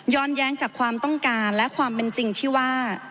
แย้งจากความต้องการและความเป็นจริงที่ว่า